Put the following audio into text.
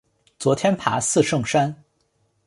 昨天爬四圣山